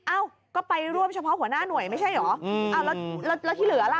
อ้าวก็ไปร่วมเฉพาะหัวหน้าหน่วยไม่ใช่หรอแล้วที่เหลือล่ะ